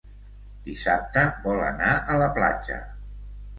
Dissabte vol anar a la platja.